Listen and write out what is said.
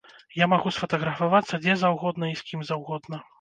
Я магу сфатаграфавацца дзе заўгодна і з кім заўгодна.